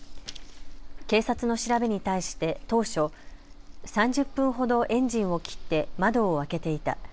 警察の調べに対して当初、３０分ほどエンジンを切って窓を開けていた。